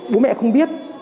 bố mẹ không biết